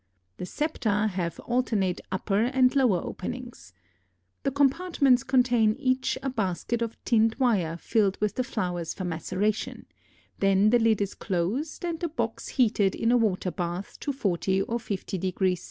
The septa have alternate upper and lower openings. The compartments contain each a basket of tinned wire filled with the flowers for maceration, then the lid is closed and the box heated in a water bath to 40 or 50° C.